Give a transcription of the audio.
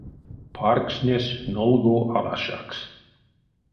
Паркснесь нолгов алашакс.